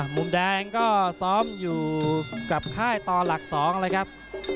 มุมแดงก็ซ้อมอยู่กับค่ายต่อหลัก๒เลยครับ